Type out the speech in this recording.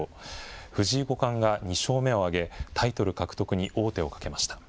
藤井五冠が２勝目を挙げ、タイトル獲得に王手をかけました。